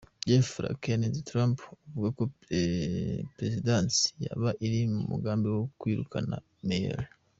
Jeff Flake yanenze Trump, avuga ko Perezidansi yaba iri mu mugambi wo kwirukana Mueller.